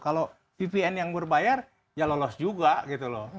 kalau vpn yang berbayar ya lolos juga gitu loh